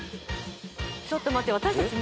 ちょっと待って私達